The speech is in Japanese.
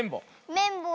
めんぼうだ。